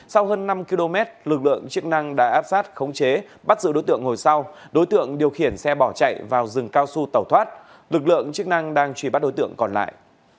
sau hơn năm km lực lượng chức năng đã áp sát khống chế bắt giữ đối tượng ngồi sau đối tượng điều khiển xe bỏ chạy vào rừng cao su tẩu thoát lực lượng chức năng đang truy bắt đối tượng còn lại